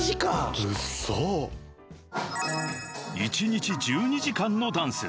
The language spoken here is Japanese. ［１日１２時間のダンス］